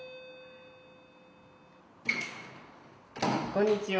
こんにちは。